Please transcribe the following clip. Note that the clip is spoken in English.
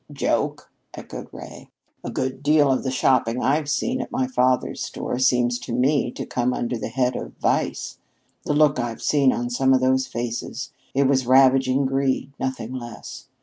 "Joke!" echoed Ray. "A good deal of the shopping I've seen at my father's store seems to me to come under the head of vice. The look I've seen on some of those faces! It was ravaging greed, nothing less.